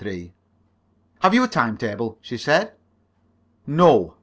"Have you a time table?" she asked.